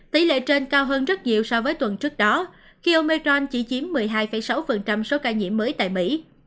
tỷ lệ trên cao hơn rất nhiều so với tuần trước đó khi ông mejan chỉ chiếm một mươi hai sáu số ca nhiễm mới tại mỹ